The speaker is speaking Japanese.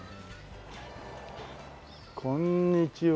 こんにちは。